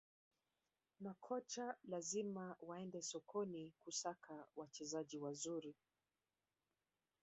Makocha lazima waende sokoni kusaka wachezaji wazuri